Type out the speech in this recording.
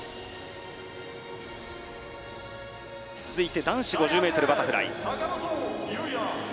続いて男子５０ｍバタフライ。